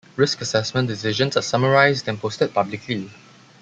Risk assessment decisions are summarized and posted publicly.